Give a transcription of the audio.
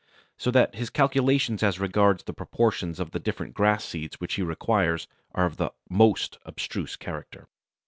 So that his calculations as regards the proportions of the different grass seeds which he requires are of the most abstruse character.